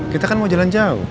kita kan mau jalan jauh